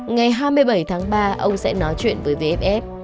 ngày hai mươi bảy tháng ba ông sẽ nói chuyện với vff